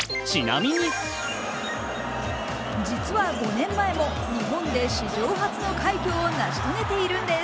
実は５年前も日本で史上初の快挙を成し遂げているんです。